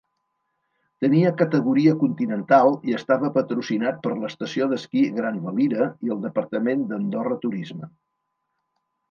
Tenia categoria continental i estava patrocinat per l'estació d'esquí Grandvalira i el departament d'Andorra Turisme.